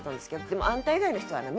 「でもあんた以外の人はな